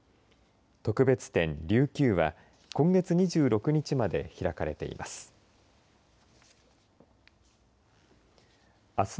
特別展、琉球は今月２６日まで開かれています。